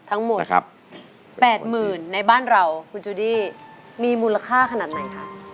ทั้งหมด๘๐๐๐ในบ้านเราคุณจูดี้มีมูลค่าขนาดไหนคะ